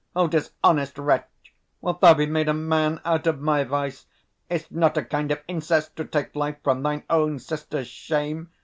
O dishonest wretch! Wilt thou be made a man out of my vice? 135 Is't not a kind of incest, to take life From thine own sister's shame?